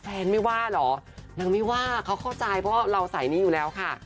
ไม่ว่าเหรอนางไม่ว่าเขาเข้าใจเพราะเราใส่หนี้อยู่แล้วค่ะ